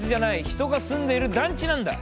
人が住んでいる団地なんだ。